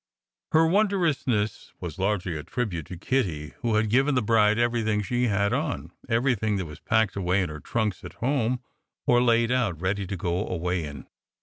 Her wondrousness was largely a tribute to Kitty, who had given the bride everything she had on, everything that was packed away in her trunks at home, or laid out ready to go away in.